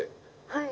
はい。